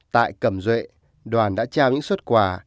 tại cẩm duệ đoàn đã trao những suất quả